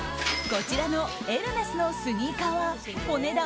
こちらのエルメスのスニーカーはお値段